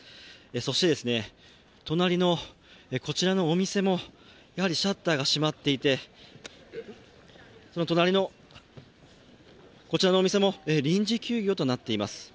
そして隣のこちらのお店もやはりシャッターが閉まっていて、その隣のこちらのお店も臨時休業となっています。